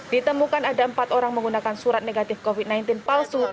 ditemukan ada empat orang menggunakan surat negatif covid sembilan belas palsu